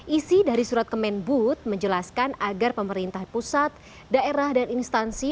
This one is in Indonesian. isi dari surat kemenbud menjelaskan agar pemerintah pusat daerah dan instansi